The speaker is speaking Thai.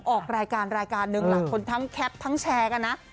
ออกรายการหนึ่งหลังคนทำแคปทั้งแชร์กันน่ะ